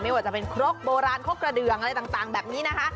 ว่าจะเป็นครกโบราณครกกระเดืองอะไรต่างแบบนี้นะคะ